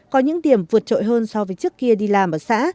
có những điểm vượt trội hơn so với trước kia đi làm ở xã